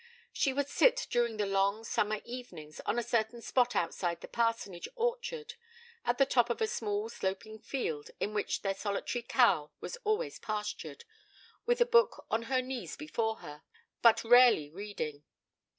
She would sit during the long summer evenings on a certain spot outside the parsonage orchard, at the top of a small sloping field in which their solitary cow was always pastured, with a book on her knees before her, but rarely reading.